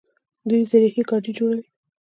دوی زرهي ګاډي جوړوي.